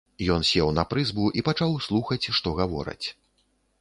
Ён сеў на прызбу і пачаў слухаць, што гавораць.